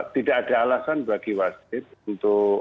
tidak ada alasan bagi wasit untuk